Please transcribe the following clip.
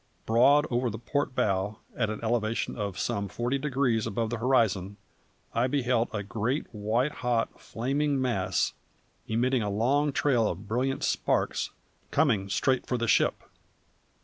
Broad over the port bow, at an elevation of some forty degrees above the horizon, I beheld a great white hot flaming mass, emitting a long trail of brilliant sparks, coming straight for the ship.